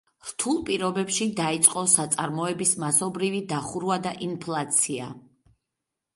რთულ პირობებში დაიწყო საწარმოების მასობრივი დახურვა და ინფლაცია.